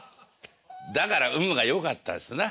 だから運がよかったですな。